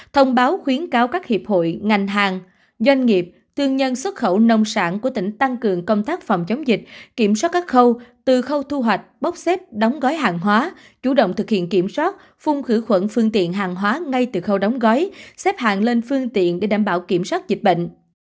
thông báo khuyến cáo các hiệp hội ngành hàng doanh nghiệp thương nhân xuất khẩu nông sản của tỉnh tăng cường công tác phòng chống dịch kiểm soát các khâu từ khâu thu hoạch bốc xếp đóng gói hàng hóa chủ động thực hiện kiểm soát phung khử khuẩn phương tiện hàng hóa ngay từ khâu đóng gói xếp hàng lên phương tiện để đảm bảo kiểm soát dịch bệnh